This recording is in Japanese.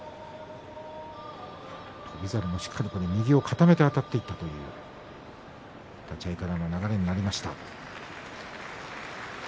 翔猿もしっかり右を固めてあたっていったという立ち合いからの流れになりました。